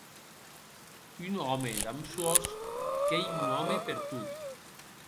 Un òme damb sòs qu'ei un òme pertot.